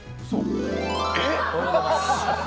おはようございます。